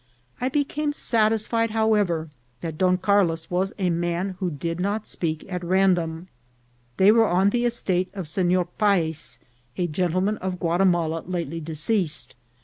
I became satisfied, however, that Don Carlos was a man who did not speak at random. They were on the estate of Senor Payes, a gentleman of Guatimala lately deceased.